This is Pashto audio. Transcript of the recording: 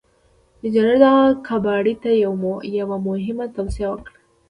انجنير دغه کباړي ته يوه مهمه توصيه وکړه.